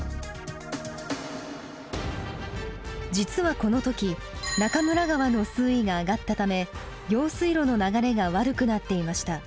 実はこの時中村川の水位が上がったため用水路の流れが悪くなっていました。